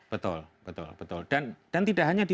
betul betul dan tidak hanya di